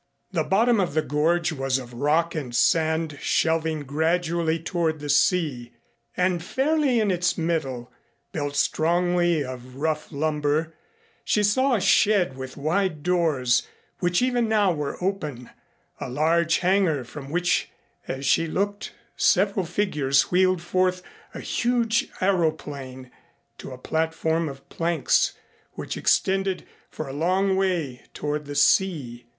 The bottom of the gorge was of rock and sand shelving gradually toward the sea and fairly in its middle, built strongly of rough lumber, she saw a shed with wide doors which even now were open a large hangar from which as she looked several figures wheeled forth a huge aëroplane to a platform of planks which extended for a long way toward the sea.